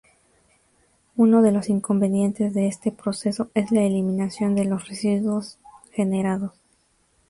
Uno de los inconvenientes de este proceso es la eliminación de los residuos generados.